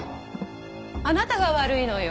あなたが悪いのよ。